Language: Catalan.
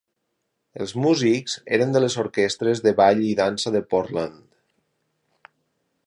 Els músics eren de les orquestres de ball i dansa de Portland.